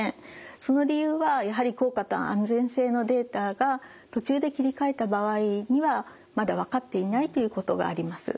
その理由はやはり効果と安全性のデータが途中で切り替えた場合にはまだ分かっていないということがあります。